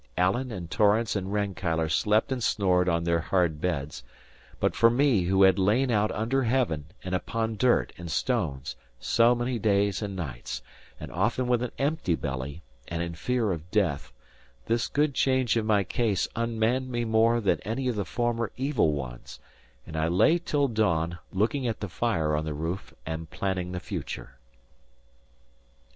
Alan and Torrance and Rankeillor slept and snored on their hard beds; but for me who had lain out under heaven and upon dirt and stones, so many days and nights, and often with an empty belly, and in fear of death, this good change in my case unmanned me more than any of the former evil ones; and I lay till dawn, looking at the fire on the roof and planning the future.